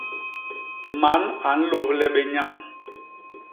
Man a nlôhle bé nyañ.